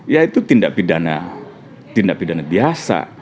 ya itu tindak pidana tindak pidana biasa